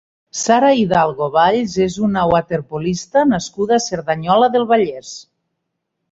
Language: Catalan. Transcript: Sara Hidalgo Valls és una waterpolista nascuda a Cerdanyola del Vallès.